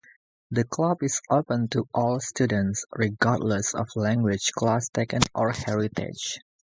The club is open to all students, regardless of language class taken or heritage.